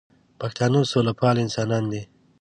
پښتانه سوله پال انسانان دي